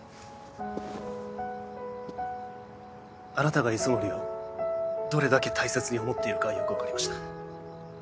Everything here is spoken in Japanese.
あなたが磯森をどれだけ大切に思っているかはよく分かりました。